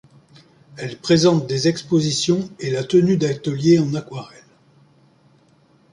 Elle présente des expositions et la tenue d'ateliers en aquarelle.